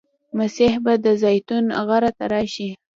مسیح به د زیتون غره ته راشي.